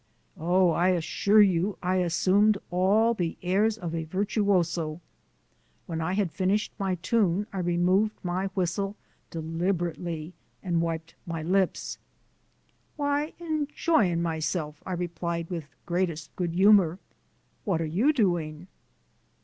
Oh, I assure you I assumed all the airs of a virtuoso. When I had finished my tune I removed my whistle deliberately and wiped my lips. "Why, enjoying myself," I replied with greatest good humour. "What are you doing?"